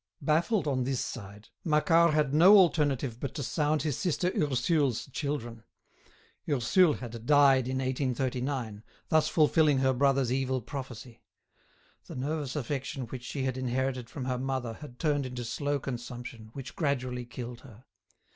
Baffled on this side, Macquart had no alternative but to sound his sister Ursule's children. Ursule had died in 1839, thus fulfilling her brother's evil prophecy. The nervous affection which she had inherited from her mother had turned into slow consumption, which gradually killed her.